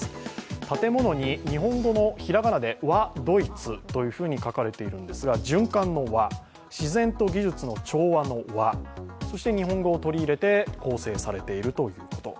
建物に日本語のひらがなで「わ！ドイツ」と書かれているんですが循環の環自然と技術の調和の和そして日本語を取り入れて構成されているということ。